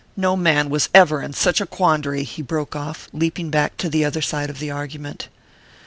No man was ever in such a quandary!" he broke off, leaping back to the other side of the argument.